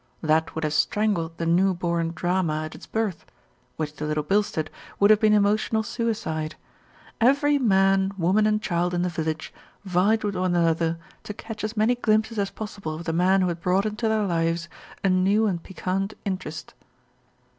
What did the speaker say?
That would have strangled the new born Drama at its birth, which to Little Bilstead would have been emotional *suicide. Every man, woman, and child in the village vied with one another to catch as many glimpses as possible of the man who had brought into their lives a new and piquant interest.